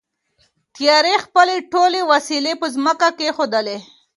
تیارې خپلې ټولې وسلې په ځمکه کېښودلې.